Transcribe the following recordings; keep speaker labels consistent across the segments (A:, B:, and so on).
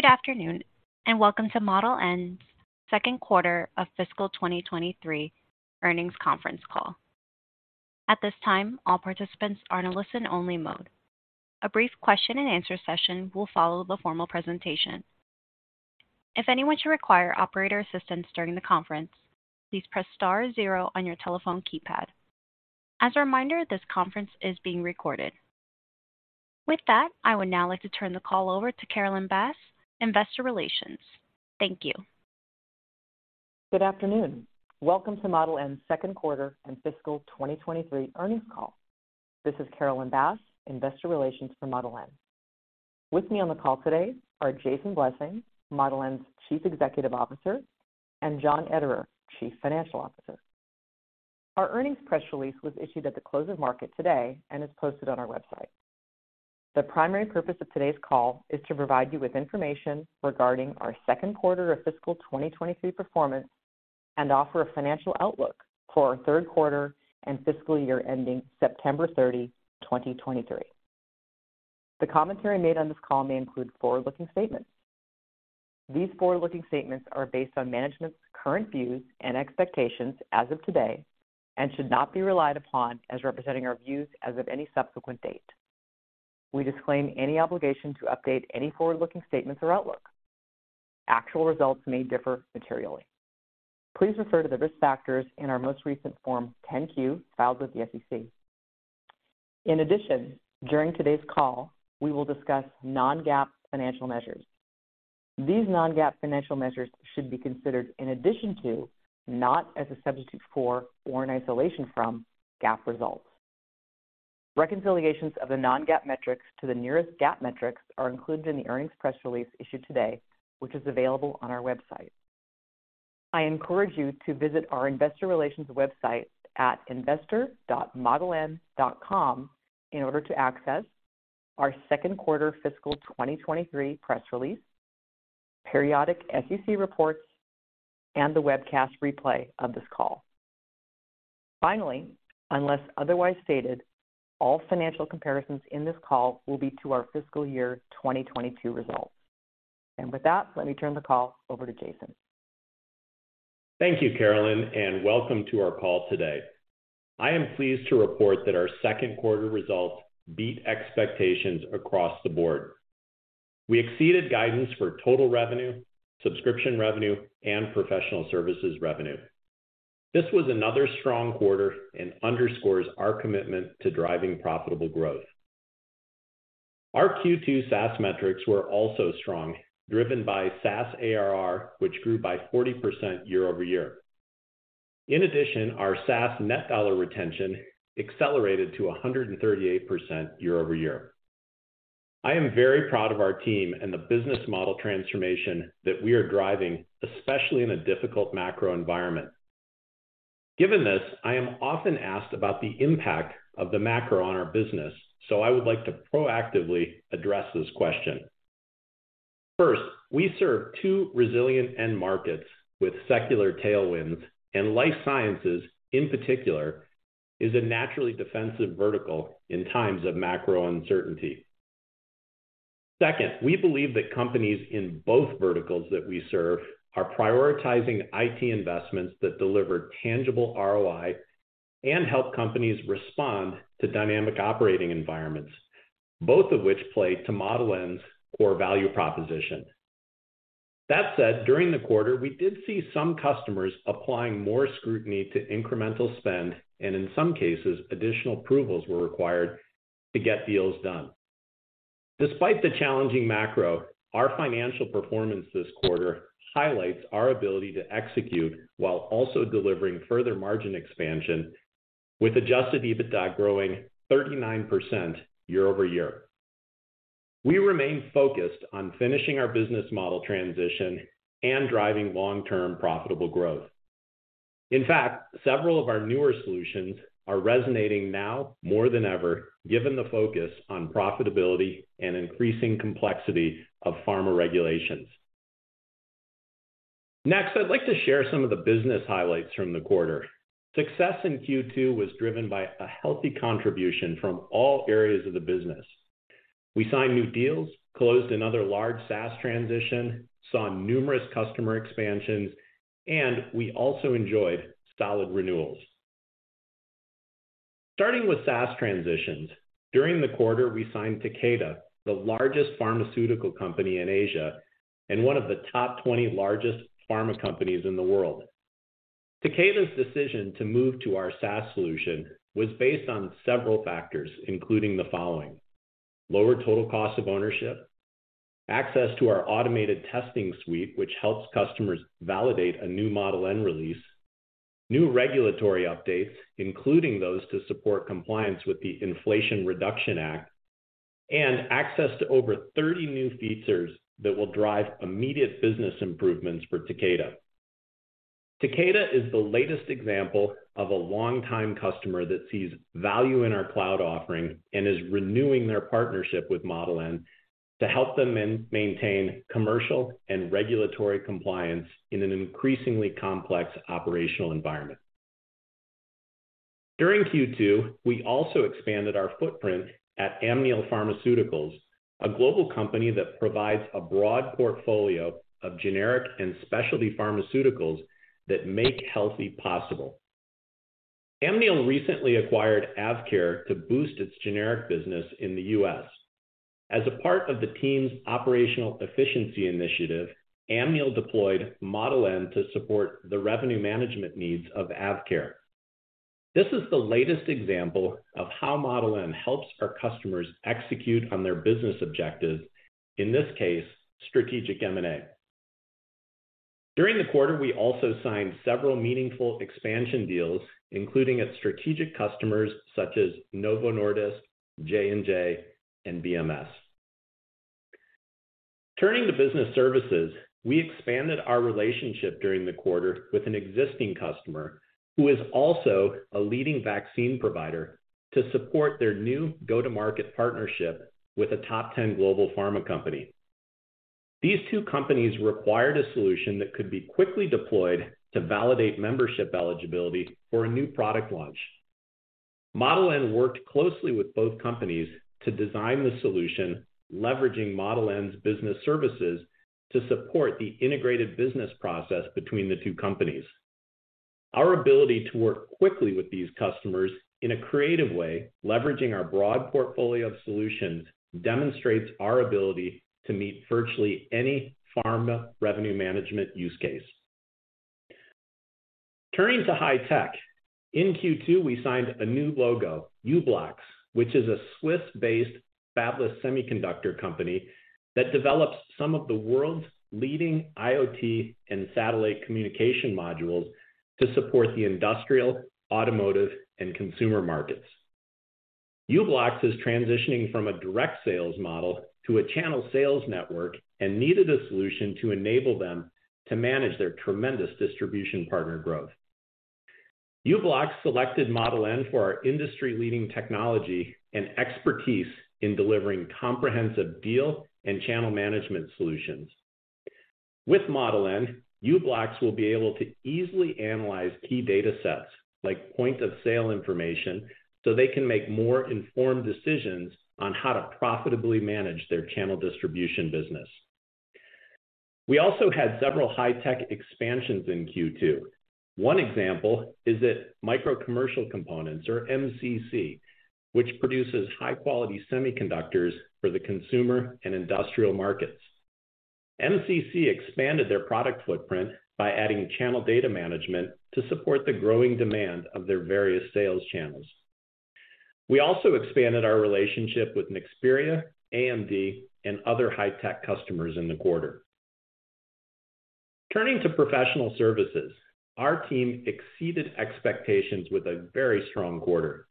A: Good afternoon, welcome to Model N's Second Quarter of Fiscal 2023 Earnings Conference Call. At this time, all participants are in a listen-only mode. A brief question and answer session will follow the formal presentation. If anyone should require operator assistance during the conference, please press star zero on your telephone keypad. As a reminder, this conference is being recorded. With that, I would now like to turn the call over to Carolyn Bass, Investor Relations. Thank you.
B: Good afternoon. Welcome to Model N's Second Quarter and Fiscal 2023 Earnings Call. This is Carolyn Bass, Investor Relations for Model N. With me on the call today are Jason Blessing, Model N's Chief Executive Officer, and John Ederer, Chief Financial Officer. Our earnings press release was issued at the close of market today and is posted on our website. The primary purpose of today's call is to provide you with information regarding our second quarter of fiscal 2023 performance and offer a financial outlook for our third quarter and fiscal year ending September 30, 2023. The commentary made on this call may include forward-looking statements. These forward-looking statements are based on management's current views and expectations as of today and should not be relied upon as representing our views as of any subsequent date. We disclaim any obligation to update any forward-looking statements or outlook. Actual results may differ materially. Please refer to the risk factors in our most recent form 10-Q filed with the SEC. In addition, during today's call, we will discuss non-GAAP financial measures. These non-GAAP financial measures should be considered in addition to, not as a substitute for or in isolation from, GAAP results. Reconciliations of the non-GAAP metrics to the nearest GAAP metrics are included in the earnings press release issued today, which is available on our website. I encourage you to visit our investor relations website at investor.modeln.com in order to access our second quarter fiscal 2023 press release, periodic SEC reports, and the webcast replay of this call. Finally, unless otherwise stated, all financial comparisons in this call will be to our fiscal year 2022 results. With that, let me turn the call over to Jason.
C: Thank you, Carolyn. Welcome to our call today. I am pleased to report that our second quarter results beat expectations across the board. We exceeded guidance for total revenue, subscription revenue, and professional services revenue. This was another strong quarter and underscores our commitment to driving profitable growth. Our Q2 SaaS metrics were also strong, driven by SaaS ARR, which grew by 40% year-over-year. In addition, our SaaS net dollar retention accelerated to 138% year-over-year. I am very proud of our team and the business model transformation that we are driving, especially in a difficult macro environment. Given this, I am often asked about the impact of the macro on our business. I would like to proactively address this question. First, we serve two resilient end markets with secular tailwinds, and Life Sciences, in particular, is a naturally defensive vertical in times of macro uncertainty. Second, we believe that companies in both verticals that we serve are prioritizing IT investments that deliver tangible ROI and help companies respond to dynamic operating environments, both of which play to Model N's core value proposition. That said, during the quarter, we did see some customers applying more scrutiny to incremental spend, and in some cases, additional approvals were required to get deals done. Despite the challenging macro, our financial performance this quarter highlights our ability to execute while also delivering further margin expansion with adjusted EBITDA growing 39% year-over-year. We remain focused on finishing our business model transition and driving long-term profitable growth. In fact, several of our newer solutions are resonating now more than ever, given the focus on profitability and increasing complexity of pharma regulations. I'd like to share some of the business highlights from the quarter. Success in Q2 was driven by a healthy contribution from all areas of the business. We signed new deals, closed another large SaaS transition, saw numerous customer expansions, and we also enjoyed solid renewals. Starting with SaaS transitions, during the quarter, we signed Takeda, the largest pharmaceutical company in Asia and one of the top 20 largest pharma companies in the world. Takeda's decision to move to our SaaS solution was based on several factors, including the following. Lower total cost of ownership, access to our automated testing suite, which helps customers validate a new Model N release, new regulatory updates, including those to support compliance with the Inflation Reduction Act, and access to over 30 new features that will drive immediate business improvements for Takeda. Takeda is the latest example of a long-time customer that sees value in our cloud offering and is renewing their partnership with Model N to help them maintain commercial and regulatory compliance in an increasingly complex operational environment. During Q2, we also expanded our footprint at Amneal Pharmaceuticals, a global company that provides a broad portfolio of generic and specialty pharmaceuticals that make healthy possible. Amneal recently acquired AvKARE to boost its generic business in the U.S. As a part of the team's operational efficiency initiative, Amneal deployed Model N to support the revenue management needs of AvKARE. This is the latest example of how Model N helps our customers execute on their business objectives, in this case, strategic M&A. During the quarter, we also signed several meaningful expansion deals, including its strategic customers such as Novo Nordisk, J&J, and BMS. Turning to business services, we expanded our relationship during the quarter with an existing customer, who is also a leading vaccine provider, to support their new go-to-market partnership with a top 10 global pharma company. These two companies required a solution that could be quickly deployed to validate membership eligibility for a new product launch. Model N worked closely with both companies to design the solution, leveraging Model N's business services to support the integrated business process between the two companies. Our ability to work quickly with these customers in a creative way, leveraging our broad portfolio of solutions, demonstrates our ability to meet virtually any pharma revenue management use case. Turning to high tech, in Q2, we signed a new logo, u-blox, which is a Swiss-based fabless semiconductor company that develops some of the world's leading IoT and satellite communication modules to support the industrial, automotive, and consumer markets. u-blox is transitioning from a direct sales model to a channel sales network and needed a solution to enable them to manage their tremendous distribution partner growth. u-blox selected Model N for our industry-leading technology and expertise in delivering comprehensive deal and channel management solutions. With Model N, u-blox will be able to easily analyze key data sets, like point-of-sale information, so they can make more informed decisions on how to profitably manage their channel distribution business. We also had several high-tech expansions in Q2. One example is that Micro Commercial Components, or MCC, which produces high-quality semiconductors for the consumer and industrial markets. MCC expanded their product footprint by adding Channel Data Management to support the growing demand of their various sales channels. We also expanded our relationship with Nexperia, AMD, and other high-tech customers in the quarter. Turning to professional services, our team exceeded expectations with a very strong quarter.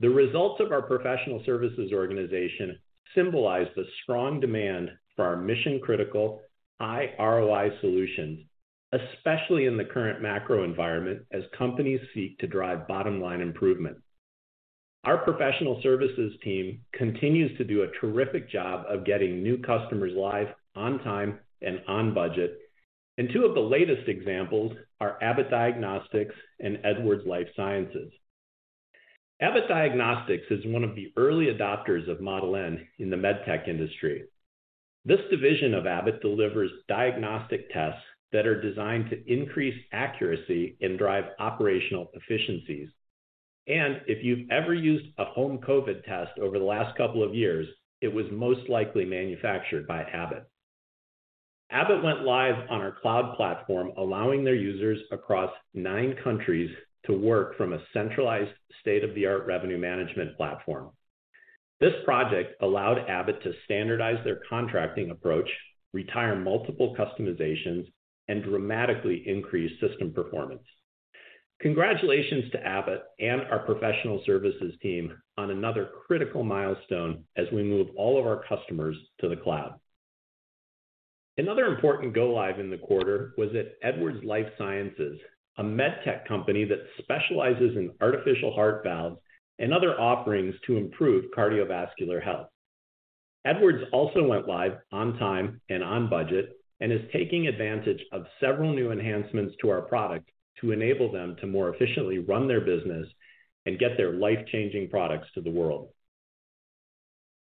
C: The results of our professional services organization symbolize the strong demand for our mission-critical, high ROI solutions, especially in the current macro environment as companies seek to drive bottom-line improvement. Our professional services team continues to do a terrific job of getting new customers live on time and on budget. Two of the latest examples are Abbott Diagnostics and Edwards Lifesciences. Abbott Diagnostics is one of the early adopters of Model N in the med tech industry. This division of Abbott delivers diagnostic tests that are designed to increase accuracy and drive operational efficiencies. If you've ever used a home COVID test over the last couple of years, it was most likely manufactured by Abbott. Abbott went live on our cloud platform, allowing their users across nine countries to work from a centralized state-of-the-art revenue management platform. This project allowed Abbott to standardize their contracting approach, retire multiple customizations, and dramatically increase system performance. Congratulations to Abbott and our professional services team on another critical milestone as we move all of our customers to the cloud. Another important go live in the quarter was at Edwards Lifesciences, a med tech company that specializes in artificial heart valves and other offerings to improve cardiovascular health. Edwards also went live on time and on budget and is taking advantage of several new enhancements to our product to enable them to more efficiently run their business and get their life-changing products to the world.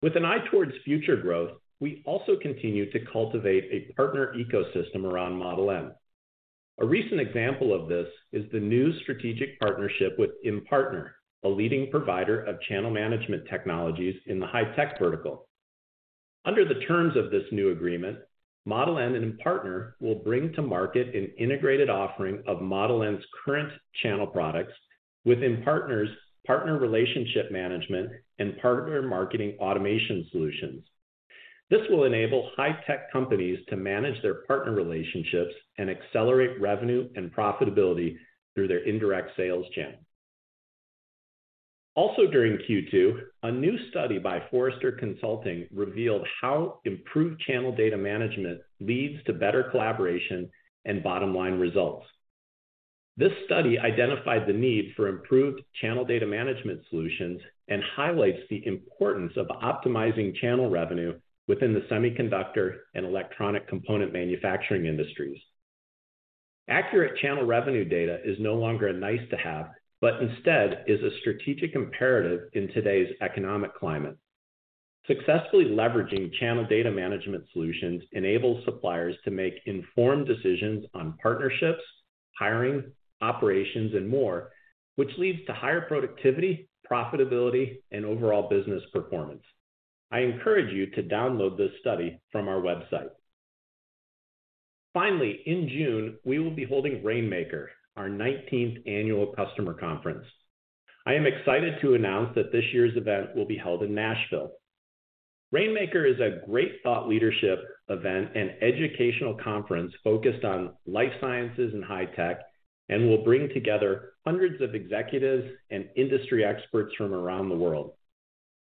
C: With an eye towards future growth, we also continue to cultivate a partner ecosystem around Model N. A recent example of this is the new strategic partnership with Impartner, a leading provider of channel management technologies in the high-tech vertical. Under the terms of this new agreement, Model N and Impartner will bring to market an integrated offering of Model N's current channel products with Impartner's Partner Relationship Management and Partner Marketing Automation solutions. This will enable high-tech companies to manage their partner relationships and accelerate revenue and profitability through their indirect sales channel. During Q2, a new study by Forrester Consulting revealed how improved Channel Data Management leads to better collaboration and bottom-line results. This study identified the need for improved Channel Data Management solutions and highlights the importance of optimizing channel revenue within the semiconductor and electronic component manufacturing industries. Accurate channel revenue data is no longer a nice-to-have, but instead is a strategic imperative in today's economic climate. Successfully leveraging Channel Data Management solutions enables suppliers to make informed decisions on partnerships, hiring, operations, and more, which leads to higher productivity, profitability, and overall business performance. I encourage you to download this study from our website. In June, we will be holding Rainmaker, our 19th annual customer conference. I am excited to announce that this year's event will be held in Nashville. Rainmaker is a great thought leadership event and educational conference focused on life sciences and high tech, and will bring together hundreds of executives and industry experts from around the world.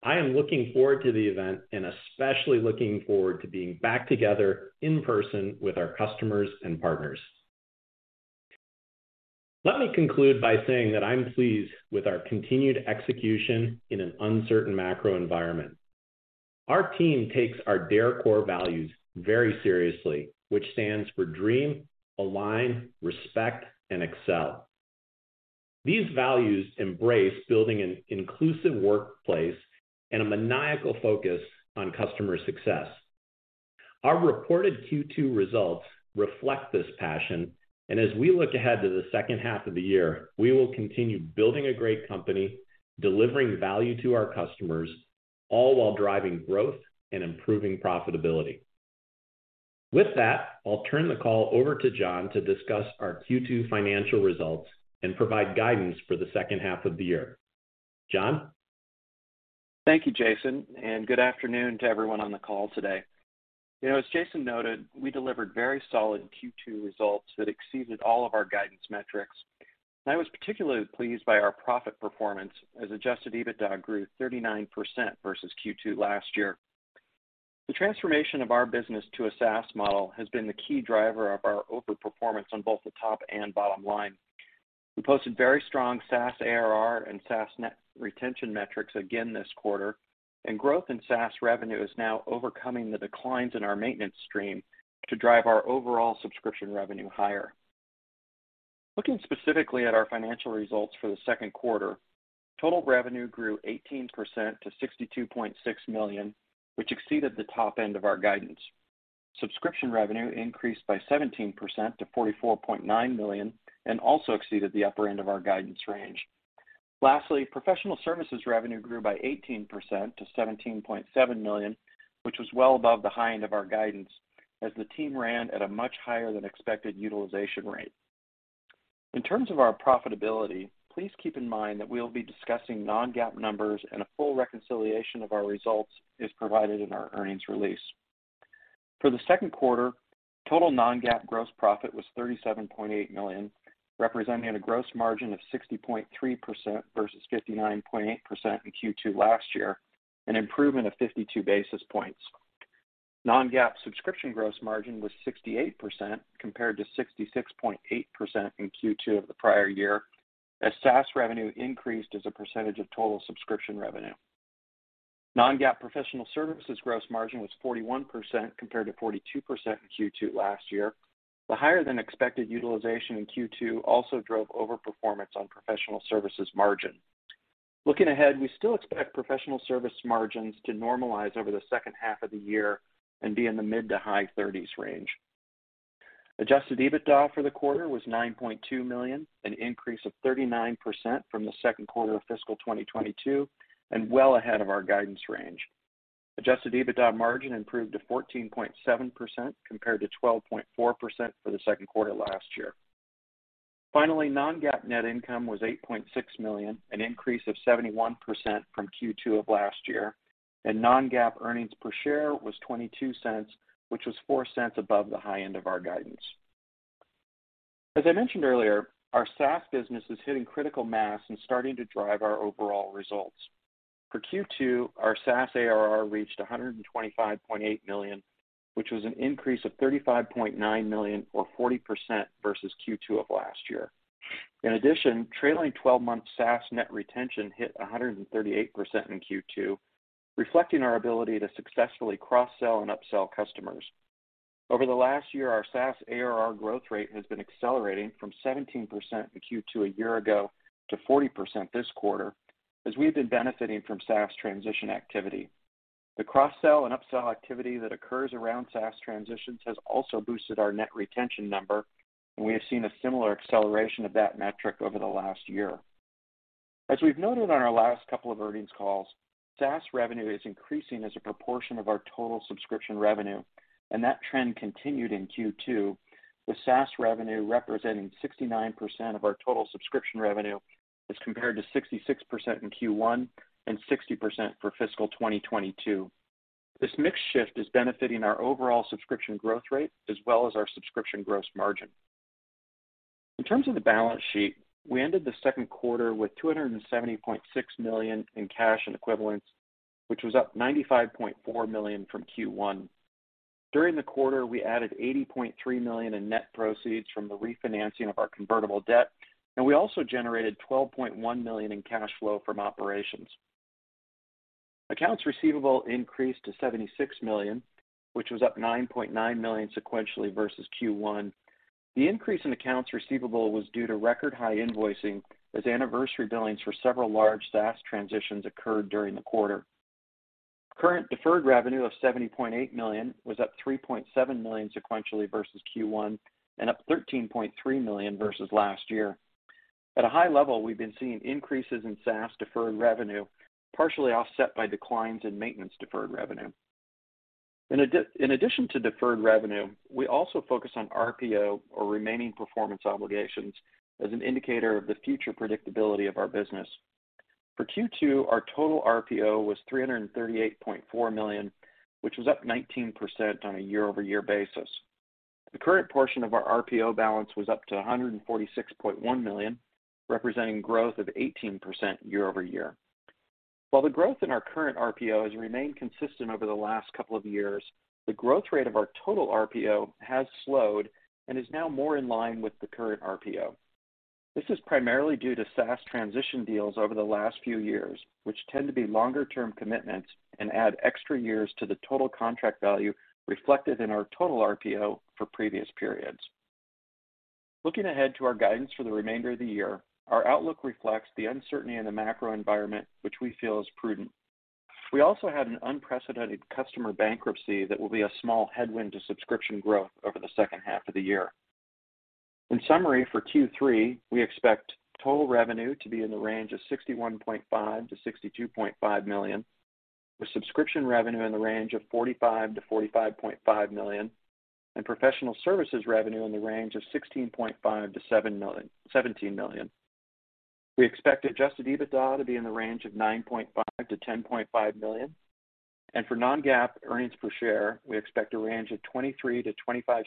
C: I am looking forward to the event, and especially looking forward to being back together in person with our customers and partners. Let me conclude by saying that I'm pleased with our continued execution in an uncertain macro environment. Our team takes our DARE core values very seriously, which stands for dream, align, respect, and excel. These values embrace building an inclusive workplace and a maniacal focus on customer success. Our reported Q2 results reflect this passion, and as we look ahead to the second half of the year, we will continue building a great company, delivering value to our customers, all while driving growth and improving profitability. With that, I'll turn the call over to John to discuss our Q2 financial results and provide guidance for the second half of the year. John?
D: Thank you, Jason. Good afternoon to everyone on the call today. You know, as Jason noted, we delivered very solid Q2 results that exceeded all of our guidance metrics. I was particularly pleased by our profit performance as adjusted EBITDA grew 39% versus Q2 last year. The transformation of our business to a SaaS model has been the key driver of our overperformance on both the top and bottom line. We posted very strong SaaS ARR and SaaS net retention metrics again this quarter. Growth in SaaS revenue is now overcoming the declines in our maintenance stream to drive our overall subscription revenue higher. Looking specifically at our financial results for the second quarter, total revenue grew 18% to $62.6 million, which exceeded the top end of our guidance. Subscription revenue increased by 17% to $44.9 million and also exceeded the upper end of our guidance range. Lastly, professional services revenue grew by 18% to $17.7 million, which was well above the high end of our guidance as the team ran at a much higher than expected utilization rate. In terms of our profitability, please keep in mind that we'll be discussing non-GAAP numbers and a full reconciliation of our results is provided in our earnings release. For the second quarter, total non-GAAP gross profit was $37.8 million, representing a gross margin of 60.3% versus 59.8% in Q2 last year, an improvement of 52 basis points. Non-GAAP subscription gross margin was 68% compared to 66.8% in Q2 of the prior year, as SaaS revenue increased as a percentage of total subscription revenue. Non-GAAP professional services gross margin was 41% compared to 42% in Q2 last year. The higher than expected utilization in Q2 also drove overperformance on professional services margin. Looking ahead, we still expect professional service margins to normalize over the second half of the year and be in the mid to high 30s range. Adjusted EBITDA for the quarter was $9.2 million, an increase of 39% from the second quarter of fiscal 2022, well ahead of our guidance range. Adjusted EBITDA margin improved to 14.7% compared to 12.4% for the second quarter last year. Finally, non-GAAP net income was $8.6 million, an increase of 71% from Q2 of last year, and non-GAAP earnings per share was $0.22, which was $0.04 above the high end of our guidance. As I mentioned earlier, our SaaS business is hitting critical mass and starting to drive our overall results. For Q2, our SaaS ARR reached $125.8 million, which was an increase of $35.9 million or 40% versus Q2 of last year. In addition, trailing 12-month SaaS Net Retention hit 138% in Q2, reflecting our ability to successfully cross-sell and upsell customers. Over the last year, our SaaS ARR growth rate has been accelerating from 17% in Q2 a year ago to 40% this quarter as we've been benefiting from SaaS transition activity. The cross-sell and upsell activity that occurs around SaaS transitions has also boosted our net retention number. We have seen a similar acceleration of that metric over the last year. As we've noted on our last couple of earnings calls, SaaS revenue is increasing as a proportion of our total subscription revenue. That trend continued in Q2, with SaaS revenue representing 69% of our total subscription revenue as compared to 66% in Q1 and 60% for fiscal 2022. This mix shift is benefiting our overall subscription growth rate as well as our subscription gross margin. In terms of the balance sheet, we ended the second quarter with $270.6 million in cash and equivalents, which was up $95.4 million from Q1. During the quarter, we added $80.3 million in net proceeds from the refinancing of our convertible debt. We also generated $12.1 million in cash flow from operations. Accounts receivable increased to $76 million, which was up $9.9 million sequentially versus Q1. The increase in accounts receivable was due to record high invoicing as anniversary billings for several large SaaS transitions occurred during the quarter. Current deferred revenue of $70.8 million was up $3.7 million sequentially versus Q1 and up $13.3 million versus last year. At a high level, we've been seeing increases in SaaS deferred revenue, partially offset by declines in maintenance deferred revenue. In addition to deferred revenue, we also focus on RPO or remaining performance obligations as an indicator of the future predictability of our business. For Q2, our total RPO was $338.4 million, which was up 19% on a year-over-year basis. The current portion of our RPO balance was up to $146.1 million, representing growth of 18% year-over-year. While the growth in our current RPO has remained consistent over the last couple of years, the growth rate of our total RPO has slowed and is now more in line with the current RPO. This is primarily due to SaaS transition deals over the last few years, which tend to be longer term commitments and add extra years to the total contract value reflected in our total RPO for previous periods. Looking ahead to our guidance for the remainder of the year, our outlook reflects the uncertainty in the macro environment, which we feel is prudent. We also had an unprecedented customer bankruptcy that will be a small headwind to subscription growth over the second half of the year. In summary, for Q3, we expect total revenue to be in the range of $61.5 million-$62.5 million, with subscription revenue in the range of $45 million-$45.5 million, professional services revenue in the range of $16.5 million-$17 million. We expect Adjusted EBITDA to be in the range of $9.5 million-$10.5 million. For non-GAAP earnings per share, we expect a range of $0.23-$0.25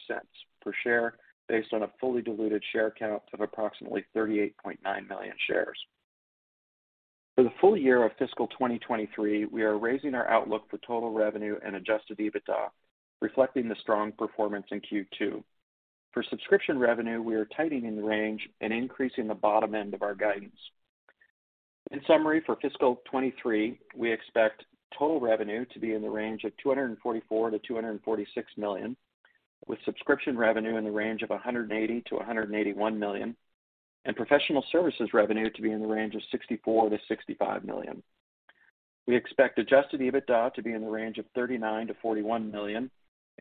D: per share based on a fully diluted share count of approximately 38.9 million shares. For the full year of fiscal 2023, we are raising our outlook for total revenue and adjusted EBITDA, reflecting the strong performance in Q2. For subscription revenue, we are tightening the range and increasing the bottom end of our guidance. In summary, for fiscal 2023, we expect total revenue to be in the range of $244 million-$246 million, with subscription revenue in the range of $180 million-$181 million, and professional services revenue to be in the range of $64 million-$65 million. We expect adjusted EBITDA to be in the range of $39 million-$41 million,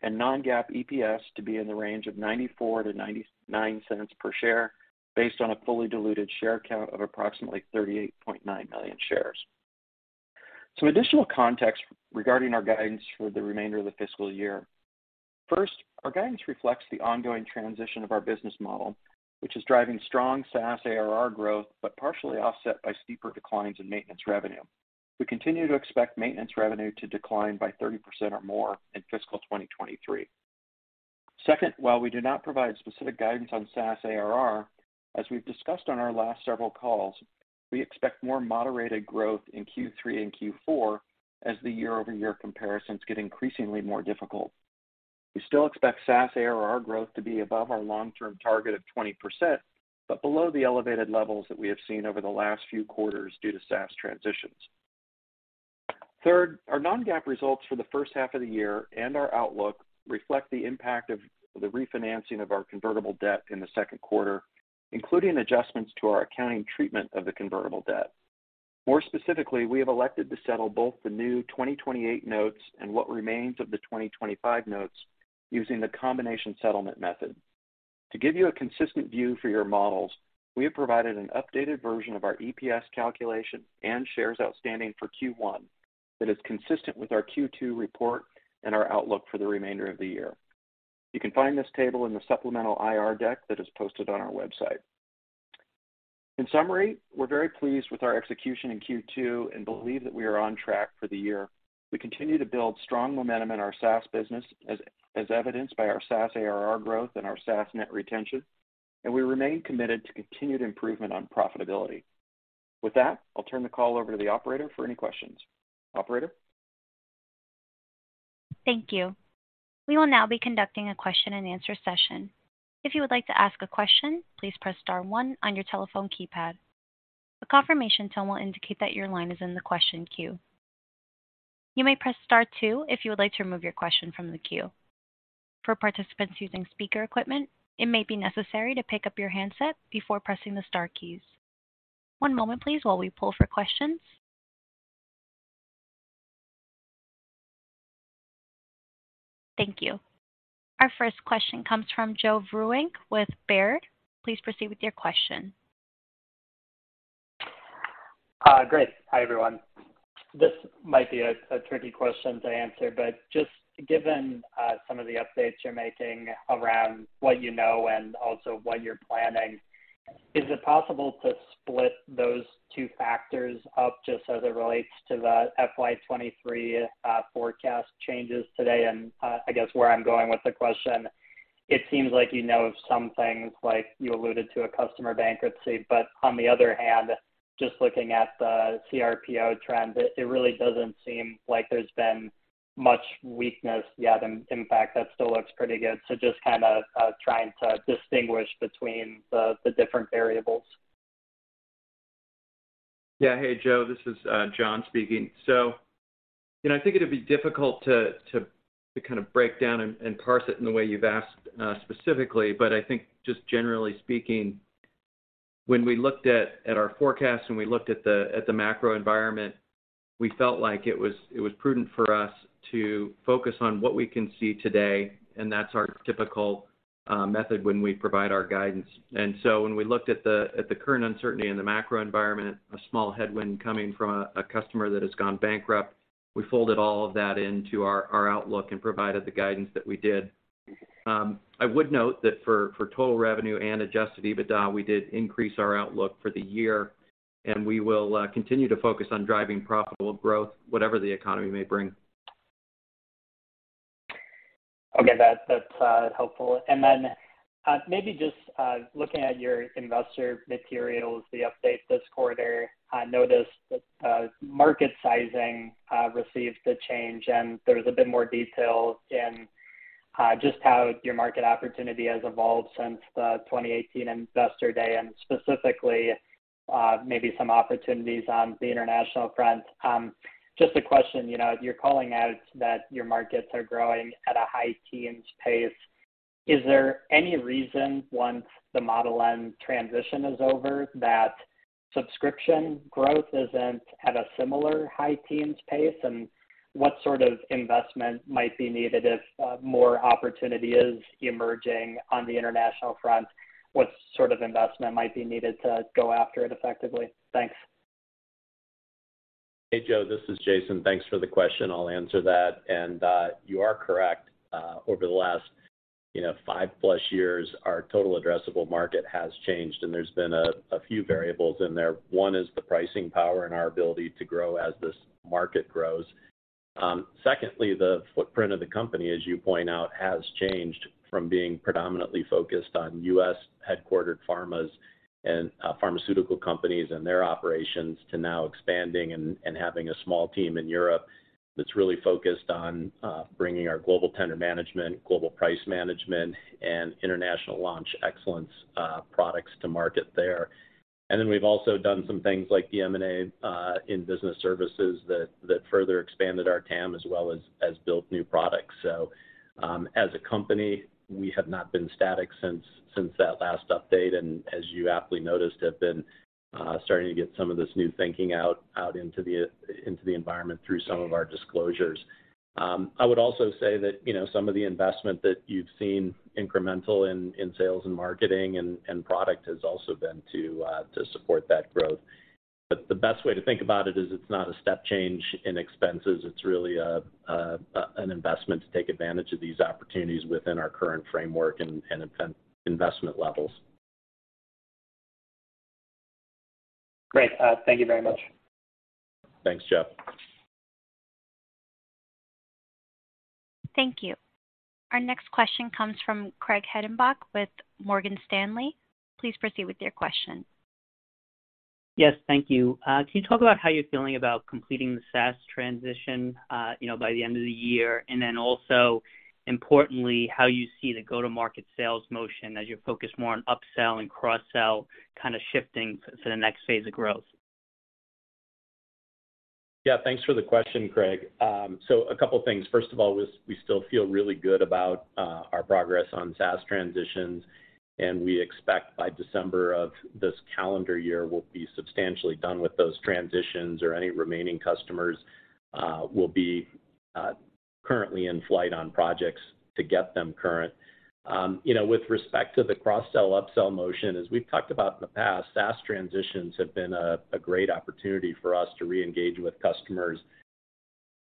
D: and non-GAAP EPS to be in the range of $0.94-$0.99 per share based on a fully diluted share count of approximately 38.9 million shares. Some additional context regarding our guidance for the remainder of the fiscal year. First, our guidance reflects the ongoing transition of our business model, which is driving strong SaaS ARR growth, but partially offset by steeper declines in maintenance revenue. We continue to expect maintenance revenue to decline by 30% or more in fiscal 2023. Second, while we do not provide specific guidance on SaaS ARR, as we've discussed on our last several calls, we expect more moderated growth in Q3 and Q4 as the year-over-year comparisons get increasingly more difficult. We still expect SaaS ARR growth to be above our long-term target of 20%, but below the elevated levels that we have seen over the last few quarters due to SaaS transitions. Third, our Non-GAAP results for the first half of the year and our outlook reflect the impact of the refinancing of our convertible debt in the second quarter, including adjustments to our accounting treatment of the convertible debt. More specifically, we have elected to settle both the new 2028 notes and what remains of the 2025 notes using the combination settlement method. To give you a consistent view for your models, we have provided an updated version of our EPS calculation and shares outstanding for Q1 that is consistent with our Q2 report and our outlook for the remainder of the year. You can find this table in the supplemental IR deck that is posted on our website. In summary, we're very pleased with our execution in Q2 and believe that we are on track for the year. We continue to build strong momentum in our SaaS business, as evidenced by our SaaS ARR growth and our SaaS net retention. We remain committed to continued improvement on profitability. With that, I'll turn the call over to the operator for any questions. Operator?
A: Thank you. We will now be conducting a question-and-answer session. If you would like to ask a question, please press star one on your telephone keypad. A confirmation tone will indicate that your line is in the question queue. You may press star two if you would like to remove your question from the queue. For participants using speaker equipment, it may be necessary to pick up your handset before pressing the star keys. One moment please while we pull for questions. Thank you. Our first question comes from Joe Vruwink with Baird. Please proceed with your question.
E: Great. Hi, everyone. This might be a tricky question to answer, but just given some of the updates you're making around what you know and also what you're planning, is it possible to split those two factors up just as it relates to the FY 2023 forecast changes today? I guess where I'm going with the question, it seems like you know some things, like you alluded to a customer bankruptcy. On the other hand, just looking at the CRPO trend, it really doesn't seem like there's been much weakness yet. In fact, that still looks pretty good. Just kinda trying to distinguish between the different variables.
D: Yeah. Hey, Joe, this is John speaking. You know, I think it'd be difficult to kind of break down and parse it in the way you've asked specifically, but I think just generally speaking, when we looked at our forecast and we looked at the macro environment, we felt like it was prudent for us to focus on what we can see today, and that's our typical method when we provide our guidance. When we looked at the current uncertainty in the macro environment, a small headwind coming from a customer that has gone bankrupt, we folded all of that into our outlook and provided the guidance that we did. I would note that for total revenue and adjusted EBITDA, we did increase our outlook for the year, and we will continue to focus on driving profitable growth, whatever the economy may bring.
E: Okay. That's helpful. Maybe just looking at your investor materials, the update this quarter, I noticed that market sizing received a change, and there's a bit more detail in just how your market opportunity has evolved since the 2018 Investor Day and specifically, maybe some opportunities on the international front. Just a question. You know, you're calling out that your markets are growing at a high teens pace. Is there any reason, once the Model N transition is over, that subscription growth isn't at a similar high teens pace? What sort of investment might be needed if more opportunity is emerging on the international front, what sort of investment might be needed to go after it effectively? Thanks.
C: Hey, Joe, this is Jason. Thanks for the question. I'll answer that. You are correct. Over the last, you know, five-plus years, our total addressable market has changed, and there's been a few variables in there. One is the pricing power and our ability to grow as this market grows. Secondly, the footprint of the company, as you point out, has changed from being predominantly focused on U.S.-headquartered pharmas and pharmaceutical companies and their operations to now expanding and having a small team in Europe that's really focused on bringing our Global Tender Management, Global Pricing Management, and International Launch Excellence products to market there. We've also done some things like the M&A in business services that further expanded our TAM as well as built new products. As a company, we have not been static since that last update, and as you aptly noticed, have been starting to get some of this new thinking out into the environment through some of our disclosures. I would also say that, you know, some of the investment that you've seen incremental in sales and marketing and product has also been to support that growth. The best way to think about it is it's not a step change in expenses. It's really an investment to take advantage of these opportunities within our current framework and investment levels.
E: Great. Thank you very much.
C: Thanks, Joe.
A: Thank you. Our next question comes from Craig Hettenbach with Morgan Stanley. Please proceed with your question.
F: Yes, thank you. Can you talk about how you're feeling about completing the SaaS transition, you know, by the end of the year? And then also importantly, how you see the go-to-market sales motion as you focus more on upsell and cross-sell kind of shifting to the next phase of growth.
C: Yeah, thanks for the question, Craig. A couple things. First of all, we still feel really good about our progress on SaaS transitions. We expect by December of this calendar year, we'll be substantially done with those transitions or any remaining customers will be currently in flight on projects to get them current. You know, with respect to the cross-sell, upsell motion, as we've talked about in the past, SaaS transitions have been a great opportunity for us to reengage with customers,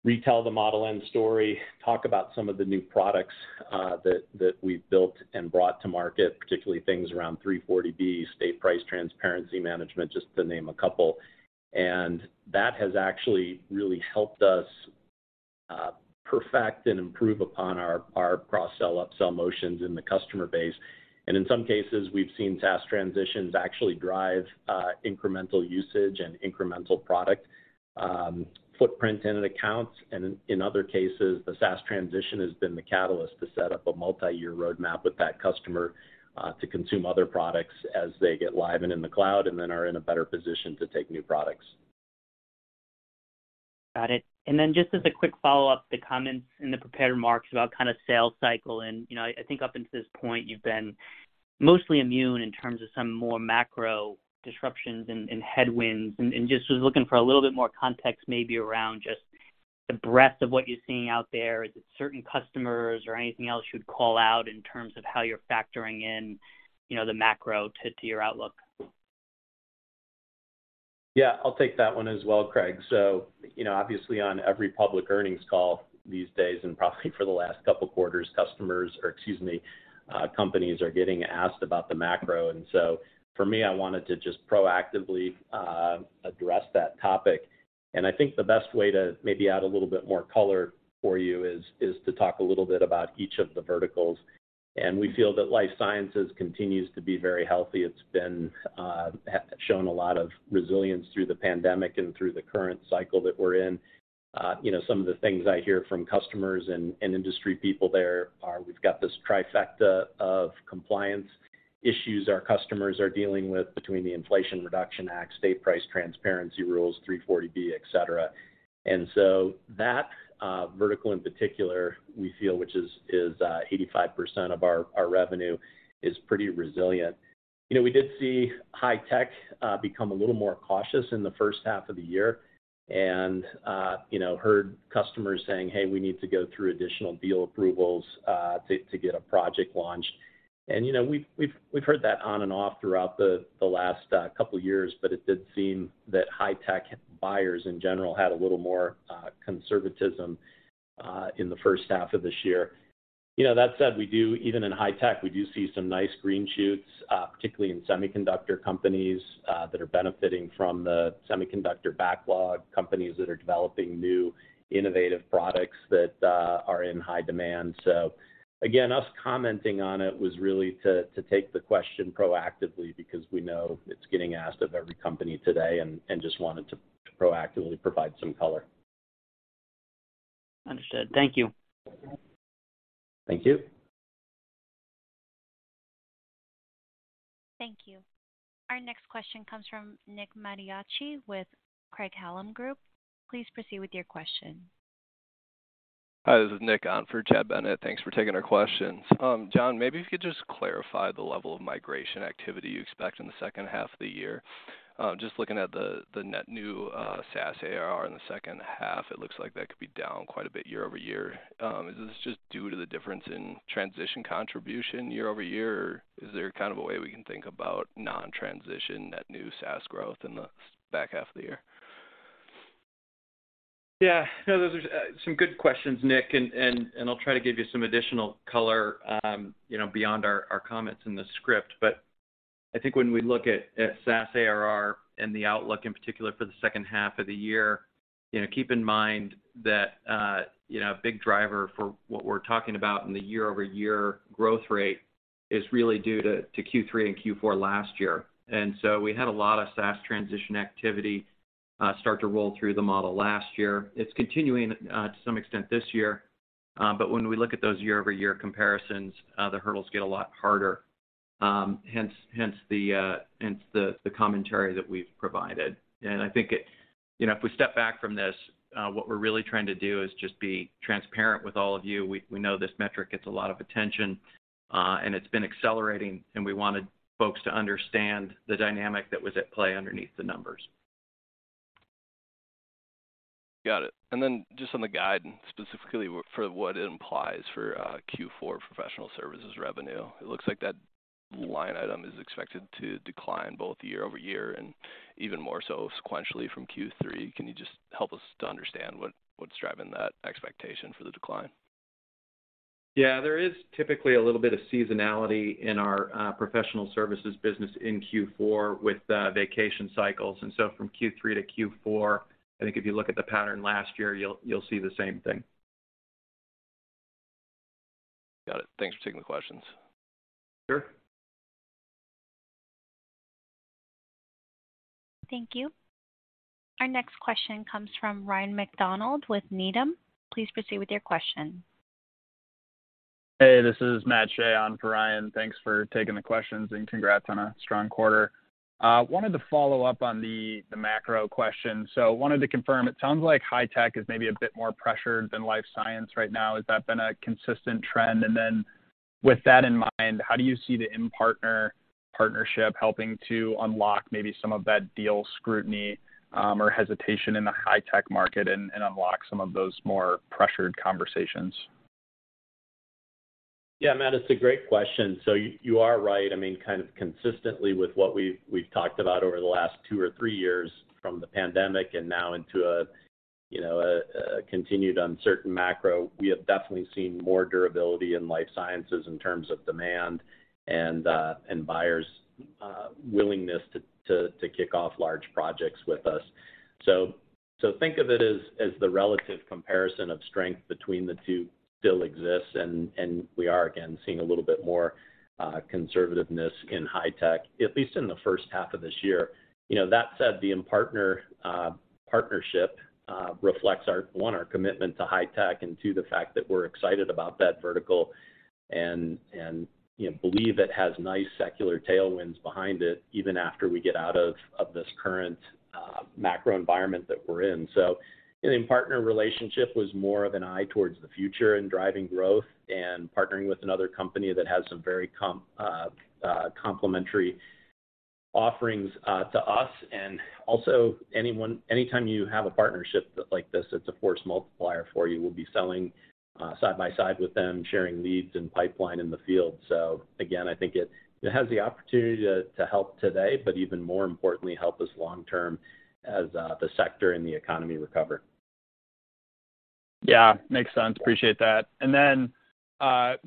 C: retell the Model N story, talk about some of the new products that we've built and brought to market, particularly things around 340B, State Price Transparency Management, just to name a couple. That has actually really helped us perfect and improve upon our cross-sell, upsell motions in the customer base. In some cases, we've seen SaaS transitions actually drive incremental usage and incremental product footprint in an account. In other cases, the SaaS transition has been the catalyst to set up a multiyear roadmap with that customer to consume other products as they get live and in the cloud and then are in a better position to take new products.
F: Got it. Just as a quick follow-up, the comments in the prepared remarks about kind of sales cycle and, you know, I think up until this point you've been mostly immune in terms of some more macro disruptions and headwinds and just was looking for a little bit more context maybe around just the breadth of what you're seeing out there. Is it certain customers or anything else you'd call out in terms of how you're factoring in, you know, the macro to your outlook?
C: Yeah, I'll take that one as well, Craig. You know, obviously on every public earnings call these days, and probably for the last couple quarters, customers or excuse me, companies are getting asked about the macro. For me, I wanted to just proactively address that topic. I think the best way to maybe add a little bit more color for you is to talk a little bit about each of the verticals. We feel that life sciences continues to be very healthy. It's been shown a lot of resilience through the pandemic and through the current cycle that we're in. You know, some of the things I hear from customers and industry people there are we've got this trifecta of compliance issues our customers are dealing with between the Inflation Reduction Act, state price transparency rules, 340B, et cetera. That vertical in particular, we feel, which is 85% of our revenue, is pretty resilient. You know, we did see high-tech become a little more cautious in the first half of the year and, you know, heard customers saying, "Hey, we need to go through additional deal approvals to get a project launched." You know, we've heard that on and off throughout the last couple years, but it did seem that high-tech buyers in general had a little more conservatism in the first half of this year. You know, that said, even in high-tech, we do see some nice green shoots, particularly in semiconductor companies that are benefiting from the semiconductor backlog, companies that are developing new innovative products that are in high demand. Again, us commenting on it was really to take the question proactively because we know it's getting asked of every company today and just wanted to proactively provide some color.
F: Understood. Thank you.
C: Thank you.
A: Thank you. Our next question comes from Nick Mattiacci with Craig-Hallum Capital Group. Please proceed with your question.
G: Hi, this is Nick on for Chad Bennett. Thanks for taking our questions. John, maybe if you could just clarify the level of migration activity you expect in the second half of the year. Just looking at the net new SaaS ARR in the second half, it looks like that could be down quite a bit year-over-year. Is this just due to the difference in transition contribution year-over-year, or is there kind of a way we can think about non-transition net new SaaS growth in the back half of the year?
D: Yeah. No, those are some good questions, Nick, and I'll try to give you some additional color, you know, beyond our comments in the script. I think when we look at SaaS ARR and the outlook in particular for the second half of the year, you know, keep in mind that, you know, a big driver for what we're talking about in the year-over-year growth rate is really due to Q3 and Q4 last year. We had a lot of SaaS transition activity start to roll through the model last year. It's continuing to some extent this year, but when we look at those year-over-year comparisons, the hurdles get a lot harder, hence the commentary that we've provided.
C: I think it—you know, if we step back from this, what we're really trying to do is just be transparent with all of you. We know this metric gets a lot of attention, and it's been accelerating, and we wanted folks to understand the dynamic that was at play underneath the numbers.
G: Got it. Just on the guidance, specifically for what it implies for Q4 professional services revenue. It looks like that line item is expected to decline both year-over-year and even more so sequentially from Q3. Can you just help us to understand what's driving that expectation for the decline?
C: Yeah. There is typically a little bit of seasonality in our professional services business in Q4 with vacation cycles. From Q3 to Q4, I think if you look at the pattern last year, you'll see the same thing.
G: Got it. Thanks for taking the questions.
C: Sure.
A: Thank you. Our next question comes from Ryan MacDonald with Needham. Please proceed with your question.
H: Hey, this is Matthew Shea on for Ryan. Thanks for taking the questions, and congrats on a strong quarter. Wanted to follow up on the macro question. Wanted to confirm, it sounds like high-tech is maybe a bit more pressured than life science right now. Has that been a consistent trend? With that in mind, how do you see the Impartner partnership helping to unlock maybe some of that deal scrutiny or hesitation in the high-tech market and unlock some of those more pressured conversations?
C: Yeah, Matt, it's a great question. You are right. I mean, kind of consistently with what we've talked about over the last two or three years from the pandemic and now into a, you know, a continued uncertain macro, we have definitely seen more durability in life sciences in terms of demand and buyers' willingness to kick off large projects with us. Think of it as the relative comparison of strength between the two still exists, and we are again seeing a little bit more conservativeness in high-tech, at least in the first half of this year. You know, that said, the Impartner partnership reflects our, one, our commitment to high-tech, and two, the fact that we're excited about that vertical and, you know, believe it has nice secular tailwinds behind it even after we get out of this current macro environment that we're in. You know, the Impartner relationship was more of an eye towards the future and driving growth and partnering with another company that has some very complementary offerings to us. Anytime you have a partnership like this, it's a force multiplier for you. We'll be selling side by side with them, sharing leads and pipeline in the field. Again, I think it has the opportunity to help today, but even more importantly, help us long term as the sector and the economy recover.
H: Yeah. Makes sense. Appreciate that.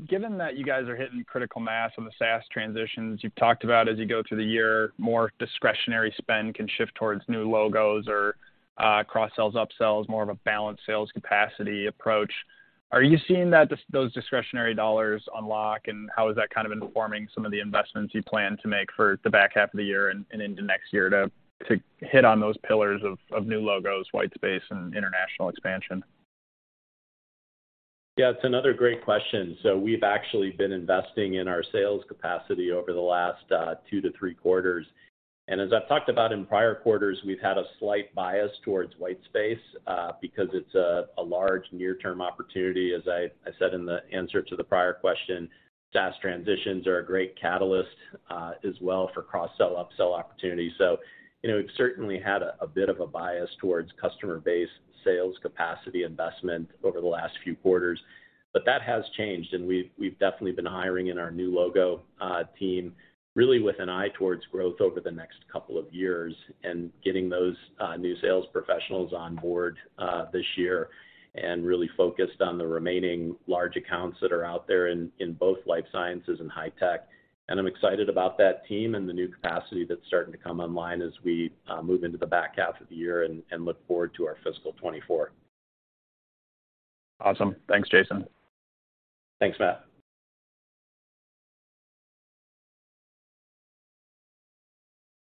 H: Given that you guys are hitting critical mass on the SaaS transitions, you've talked about as you go through the year, more discretionary spend can shift towards new logos or cross-sells, upsells, more of a balanced sales capacity approach. Are you seeing that those discretionary dollars unlock, and how is that kind of informing some of the investments you plan to make for the back half of the year and into next year to hit on those pillars of new logos, white space and international expansion?
C: Yeah, it's another great question. We've actually been investing in our sales capacity over the last two to three quarters. As I've talked about in prior quarters, we've had a slight bias towards white space because it's a large near-term opportunity. As I said in the answer to the prior question, SaaS transitions are a great catalyst as well for cross-sell, upsell opportunities. You know, we've certainly had a bit of a bias towards customer base sales capacity investment over the last few quarters, but that has changed. We've definitely been hiring in our new logo team really with an eye towards growth over the next couple of years and getting those new sales professionals on board this year and really focused on the remaining large accounts that are out there in both Life Sciences and high tech. I'm excited about that team and the new capacity that's starting to come online as we move into the back half of the year and look forward to our fiscal 2024.
H: Awesome. Thanks, Jason.
C: Thanks, Matt.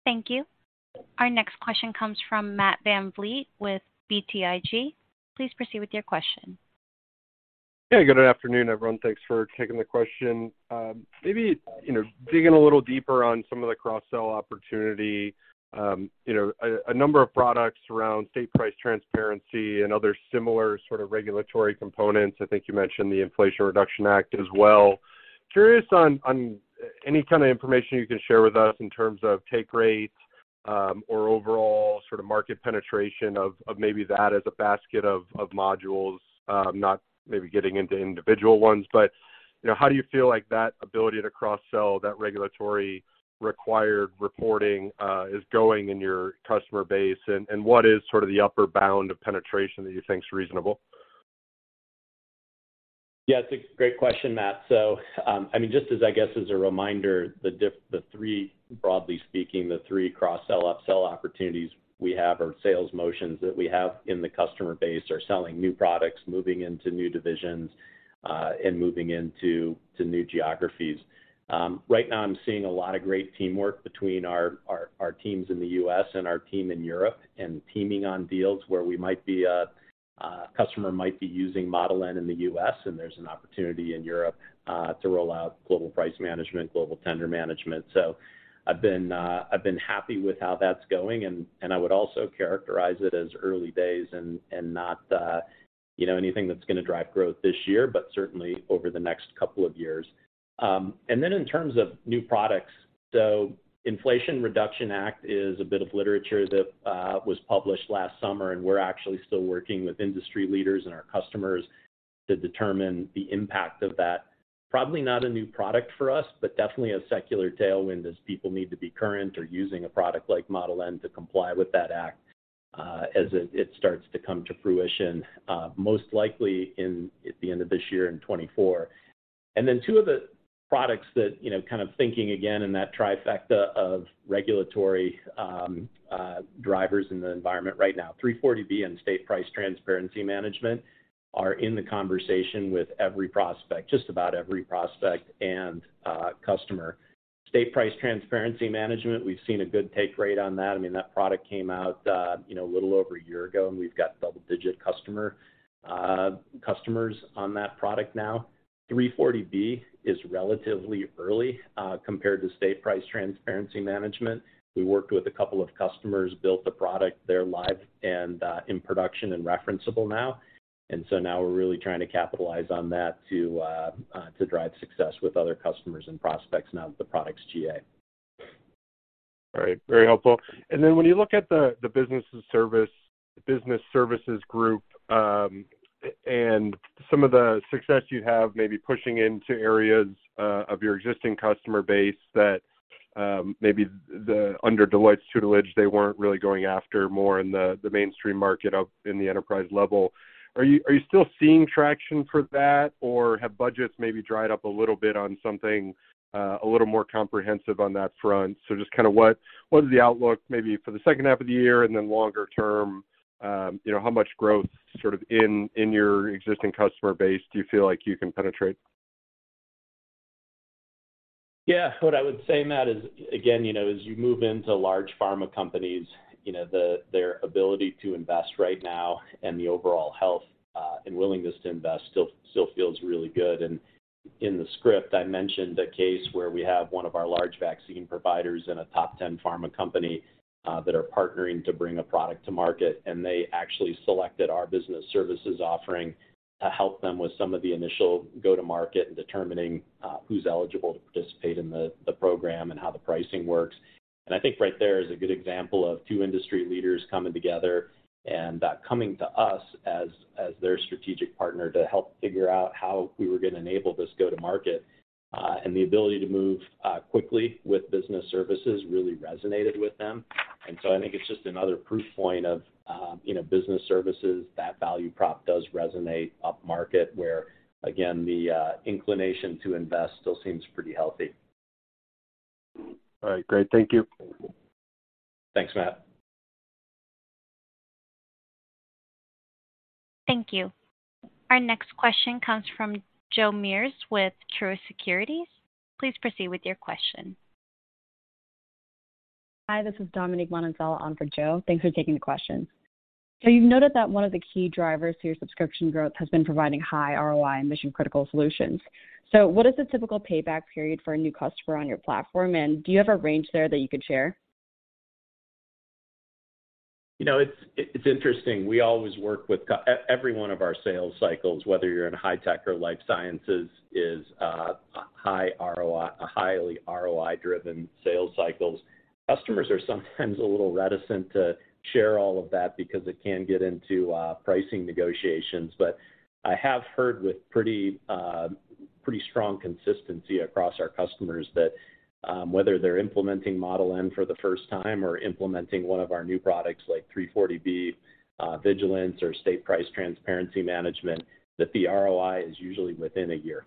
A: Thank you. Our next question comes from Matt VanVliet with BTIG. Please proceed with your question.
I: Yeah, good afternoon, everyone. Thanks for taking the question. Maybe, you know, digging a little deeper on some of the cross-sell opportunity. You know, a number of products around State Price Transparency and other similar sort of regulatory components. I think you mentioned the Inflation Reduction Act as well. Curious on any kind of information you can share with us in terms of take rates, or overall sort of market penetration of maybe that as a basket of modules. Not maybe getting into individual ones, but, you know, how do you feel like that ability to cross-sell that regulatory required reporting is going in your customer base? What is sort of the upper bound of penetration that you think is reasonable?
C: Yeah, it's a great question, Matt. I mean, just as, I guess, as a reminder, the three broadly speaking, the three cross-sell, upsell opportunities we have or sales motions that we have in the customer base are selling new products, moving into new divisions, and moving into new geographies. Right now I'm seeing a lot of great teamwork between our teams in the U.S. and our team in Europe, and teaming on deals where we might be a customer might be using Model N in the U.S., and there's an opportunity in Europe to roll out Global Pricing Management, Global Tender Management. I've been happy with how that's going and I would also characterize it as early days and not, you know, anything that's gonna drive growth this year, but certainly over the next couple of years. In terms of new products, Inflation Reduction Act is a bit of literature that was published last summer, and we're actually still working with industry leaders and our customers to determine the impact of that. Probably not a new product for us, but definitely a secular tailwind as people need to be current or using a product like Model N to comply with that act, as it starts to come to fruition, most likely in, at the end of this year in 2024. Two of the products that, you know, kind of thinking, again, in that trifecta of regulatory drivers in the environment right now, 340B and State Price Transparency Management are in the conversation with every prospect, just about every prospect and customer. State Price Transparency Management, we've seen a good take rate on that. I mean, that product came out, you know, a little over a year ago, and we've got double-digit customers on that product now. 340B is relatively early compared to State Price Transparency Management. We worked with a couple of customers, built the product. They're live and in production and referenceable now. Now we're really trying to capitalize on that to drive success with other customers and prospects now that the product's GA.
I: All right. Very helpful. When you look at the business services group, and some of the success you have maybe pushing into areas of your existing customer base that maybe under Deloitte's tutelage, they weren't really going after more in the mainstream market up in the enterprise level. Are you still seeing traction for that, or have budgets maybe dried up a little bit on something a little more comprehensive on that front? Just kind of what is the outlook maybe for the second half of the year and then longer term? You know, how much growth sort of in your existing customer base do you feel like you can penetrate?
C: Yeah. What I would say, Matt, is again, you know, as you move into large pharma companies, you know, their ability to invest right now and the overall health and willingness to invest still feels really good. In the script, I mentioned a case where we have one of our large vaccine providers and a top 10 pharma company that are partnering to bring a product to market, and they actually selected our business services offering to help them with some of the initial go-to-market and determining who's eligible to participate in the program and how the pricing works. I think right there is a good example of two industry leaders coming together and coming to us as their strategic partner to help figure out how we were gonna enable this go-to-market. The ability to move quickly with business services really resonated with them. I think it's just another proof point of, you know, business services. That value prop does resonate upmarket where, again, the inclination to invest still seems pretty healthy.
F: All right, great. Thank you.
C: Thanks, Matt.
A: Thank you. Our next question comes from Joe Meares with Truist Securities. Please proceed with your question.
J: Hi, this is Dominique Manansala on for Joe. Thanks for taking the question. You've noted that one of the key drivers to your subscription growth has been providing high ROI and mission-critical solutions. What is the typical payback period for a new customer on your platform? Do you have a range there that you could share?
C: You know, it's interesting. We always work with—everyone of our sales cycles, whether you're in high tech or Life Sciences, is a highly ROI-driven sales cycles. Customers are sometimes a little reticent to share all of that because it can get into pricing negotiations. I have heard with pretty strong consistency across our customers that whether they're implementing Model N for the first time or implementing one of our new products like 340B Vigilance or State Price Transparency Management, that the ROI is usually within a year.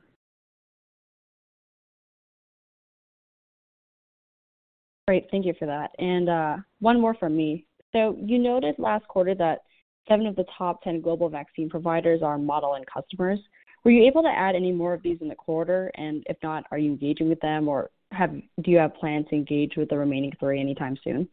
J: Great. Thank you for that. One more from me. You noted last quarter that seven of the top 10 global vaccine providers are Model N customers. Were you able to add any more of these in the quarter? If not, are you engaging with them or do you have plans to engage with the remaining three anytime soon?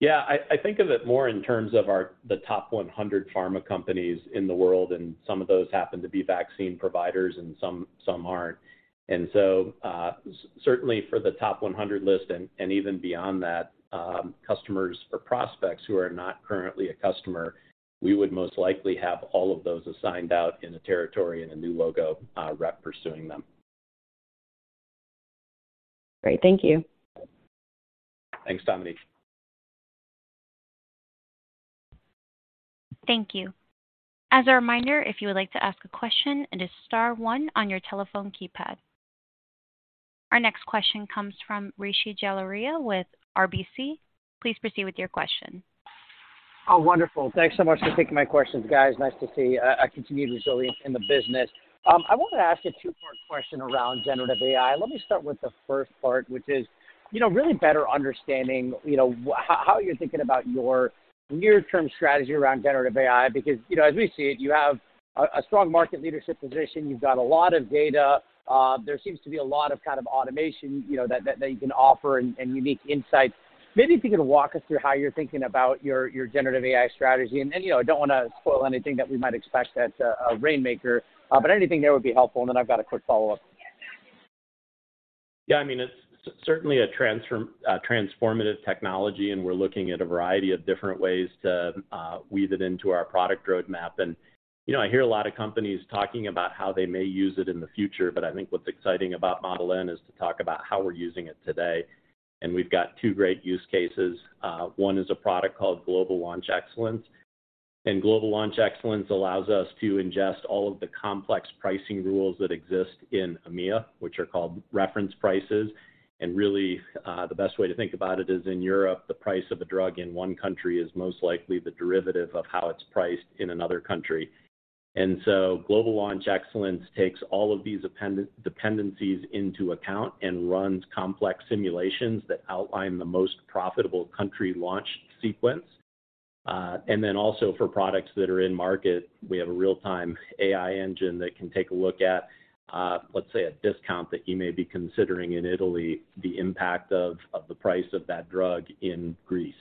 C: Yeah, I think of it more in terms of the top 100 pharma companies in the world. Some of those happen to be vaccine providers and some aren't. Certainly for the top 100 list and even beyond that, customers or prospects who are not currently a customer, we would most likely have all of those assigned out in a territory and a new logo rep pursuing them.
J: Great. Thank you.
C: Thanks, Dominique.
A: Thank you. As a reminder, if you would like to ask a question, it is star one on your telephone keypad. Our next question comes from Rishi Jaluria with RBC. Please proceed with your question.
K: Oh, wonderful. Thanks so much for taking my questions, guys. Nice to see a continued resilience in the business. I wanted to ask a two-part question around Generative AI. Let me start with the first part, which is, you know, really better understanding, you know, how you're thinking about your near-term strategy around Generative AI. Because, you know, as we see it, you have a strong market leadership position. You've got a lot of data. There seems to be a lot of kind of automation, you know, that you can offer and unique insights. Maybe if you could walk us through how you're thinking about your Generative AI strategy. You know, I don't wanna spoil anything that we might expect at Rainmaker, but anything there would be helpful. I've got a quick follow-up.
C: Yeah, I mean, it's certainly a transformative technology, we're looking at a variety of different ways to weave it into our product roadmap. You know, I hear a lot of companies talking about how they may use it in the future, but I think what's exciting about Model N is to talk about how we're using it today. We've got two great use cases. One is a product called Global Launch Excellence. Global Launch Excellence allows us to ingest all of the complex pricing rules that exist in EMEA, which are called reference prices. Really, the best way to think about it is in Europe, the price of a drug in one country is most likely the derivative of how it's priced in another country. Global Launch Excellence takes all of these appendent—dependencies into account and runs complex simulations that outline the most profitable country launch sequence. Also for products that are in market, we have a real-time AI engine that can take a look at, let's say, a discount that you may be considering in Italy, the impact of the price of that drug in Greece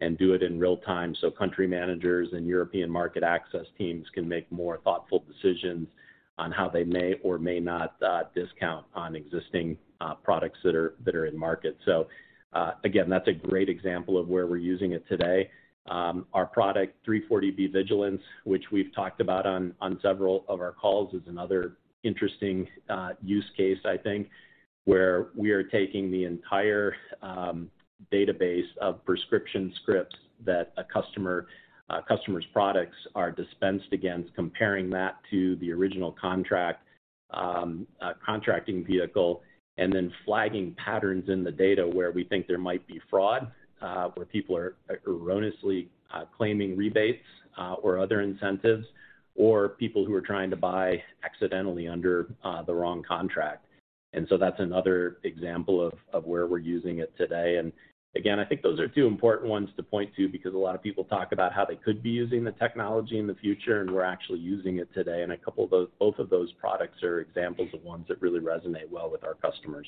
C: and do it in real time so country managers and European market access teams can make more thoughtful decisions on how they may or may not discount on existing products that are in market. Again, that's a great example of where we're using it today. Our product, 340B Vigilance, which we've talked about on several of our calls, is another interesting use case, I think, where we are taking the entire database of prescription scripts that a customer's products are dispensed against, comparing that to the original contract, contracting vehicle, and then flagging patterns in the data where we think there might be fraud, where people are erroneously claiming rebates or other incentives, or people who are trying to buy accidentally under the wrong contract. That's another example of where we're using it today. Again, I think those are two important ones to point to because a lot of people talk about how they could be using the technology in the future, and we're actually using it today. Both of those products are examples of ones that really resonate well with our customers.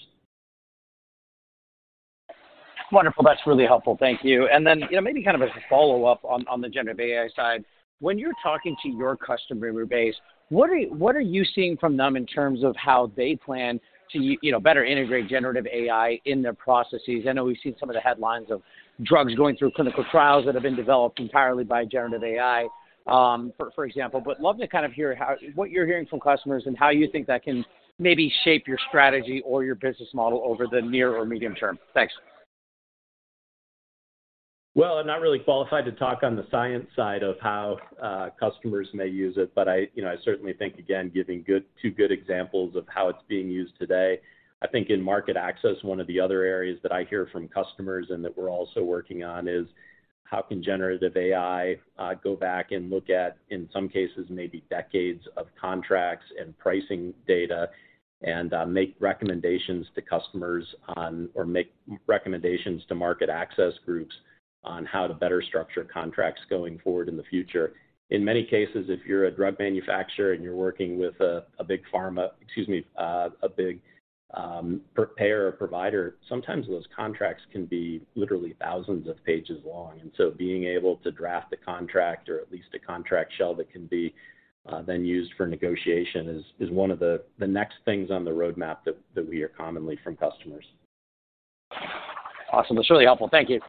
K: Wonderful. That's really helpful. Thank you. Then, you know, maybe kind of as a follow-up on the Generative AI side, when you're talking to your customer base, what are you seeing from them in terms of how they plan to you know, better integrate Generative AI in their processes? I know we've seen some of the headlines of drugs going through clinical trials that have been developed entirely by generative AI, for example. Love to kind of hear what you're hearing from customers and how you think that can maybe shape your strategy or your business model over the near or medium term. Thanks.
C: I'm not really qualified to talk on the science side of how customers may use it, but I, you know, I certainly think, again, giving two good examples of how it's being used today. I think in market access, one of the other areas that I hear from customers and that we're also working on is how can Generative AI go back and look at, in some cases, maybe decades of contracts and pricing data and make recommendations to customers on or make recommendations to market access groups on how to better structure contracts going forward in the future. In many cases, if you're a drug manufacturer and you're working with a, excuse me, a big payer or provider, sometimes those contracts can be literally thousands of pages long. Being able to draft a contract or at least a contract shell that can be then used for negotiation is one of the next things on the roadmap that we hear commonly from customers.
L: Awesome. That's really helpful. Thank you.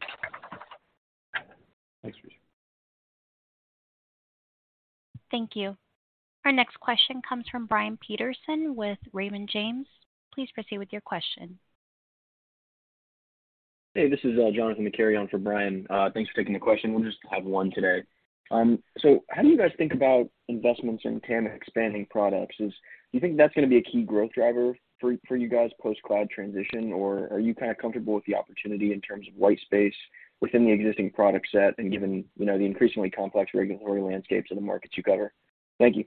C: Thanks, Richard.
A: Thank you. Our next question comes from Brian Peterson with Raymond James. Please proceed with your question.
M: Hey, this is Jonathan McCary on for Brian Peterson. Thanks for taking the question. We'll just have one today. How do you guys think about investments in TAM expanding products? Do you think that's gonna be a key growth driver for you guys post-cloud transition? Or are you kinda comfortable with the opportunity in terms of white space within the existing product set and given, you know, the increasingly complex regulatory landscapes in the markets you cover? Thank you.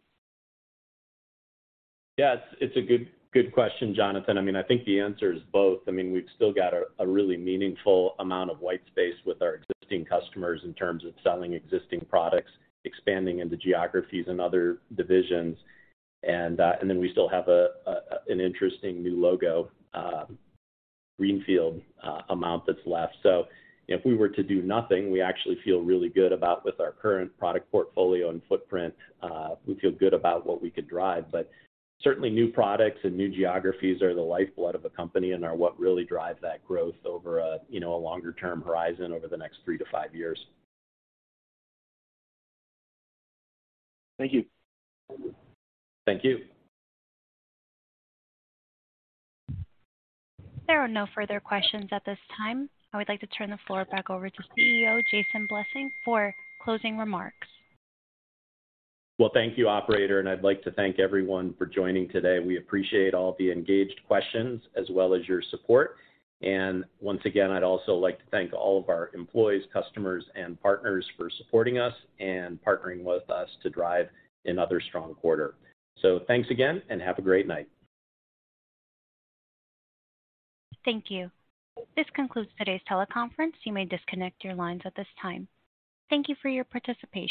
C: Yeah, it's a good question, Jonathan. I mean, I think the answer is both. I mean, we've still got a really meaningful amount of white space with our existing customers in terms of selling existing products, expanding into geographies and other divisions. We still have an interesting new logo, greenfield amount that's left. If we were to do nothing, we actually feel really good about with our current product portfolio and footprint, we feel good about what we could drive. Certainly new products and new geographies are the lifeblood of the company and are what really drive that growth over a, you know, a longer term horizon over the next three to five years.
M: Thank you.
C: Thank you.
A: There are no further questions at this time. I would like to turn the floor back over to CEO, Jason Blessing for closing remarks.
C: Well, thank you, operator. I'd like to thank everyone for joining today. We appreciate all the engaged questions as well as your support. Once again, I'd also like to thank all of our employees, customers, and partners for supporting us and partnering with us to drive another strong quarter. Thanks again and have a great night.
A: Thank you. This concludes today's teleconference. You may disconnect your lines at this time. Thank you for your participation.